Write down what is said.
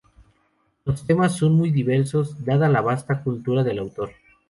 Los temas son muy diversos, dada la vasta cultura del autor.